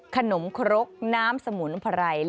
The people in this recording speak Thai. นครกน้ำสมุนไพร